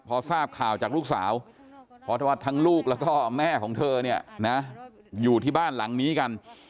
พอทราบข่าวจากลูกสาวพอร์ตวัดทั้งลูกและแม่ของเธออยู่ที่บ้านหลังนี้กัน